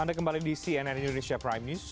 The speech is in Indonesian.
anda kembali di cnn indonesia prime news